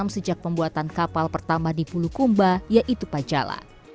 sejak pembuatan kapal pertama di pulukumba yaitu pajala